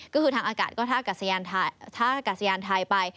ก็คือทางอากาศก็ท่าอากาศยานไทยไป